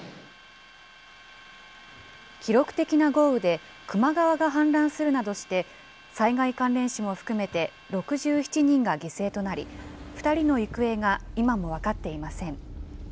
記録的な豪雨で、球磨川が氾濫するなどして、災害関連死も含めて６７人が犠牲となり、２人の行方が今も分かっていません。